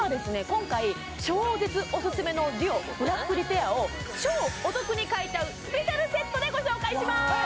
今回超絶おすすめのＤＵＯブラックリペアを超お得に買えちゃうスペシャルセットでご紹介します